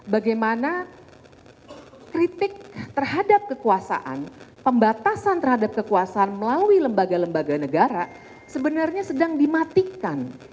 bagaimana kritik terhadap kekuasaan pembatasan terhadap kekuasaan melalui lembaga lembaga negara sebenarnya sedang dimatikan